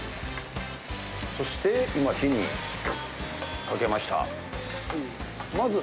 そして今火にかけました。